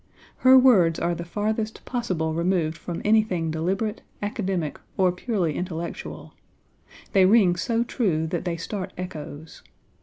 Her words are the farthest possible removed from anything deliberate, academic, or purely intellectual They ring so true that they start echoes.